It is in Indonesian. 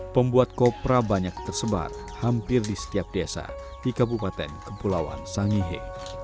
pembuat kopra banyak tersebar hampir di setiap desa di kabupaten kepulauan sangihe